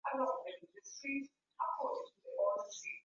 aliyeitwa Fidel Castro ambaye aliitawala Cuba